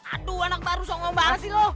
aduh anak baru songong banget sih lo